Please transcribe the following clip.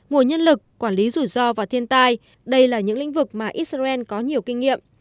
nguồn nhân lực quản lý rủi ro và thiên tai đây là những lĩnh vực mà israel có nhiều kinh nghiệm